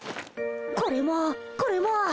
これもこれも！